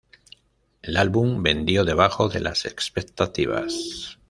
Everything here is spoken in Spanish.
El álbum vendió debajo de las expectativas.